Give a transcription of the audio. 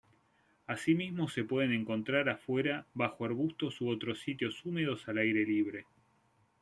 Asimismo se pueden encontrar afuera bajo arbustos u otros sitios húmedos al aire libre.